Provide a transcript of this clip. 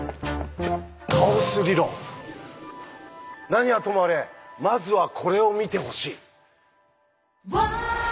何はともあれまずはこれを見てほしい。